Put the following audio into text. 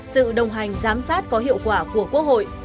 sự đồng hành giám sát có hiệu quả của quốc hội